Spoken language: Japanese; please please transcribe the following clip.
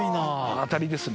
当たりですね。